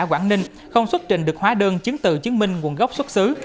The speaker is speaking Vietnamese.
ở quảng ninh không xuất trình được hóa đơn chứng từ chứng minh nguồn gốc xuất xứ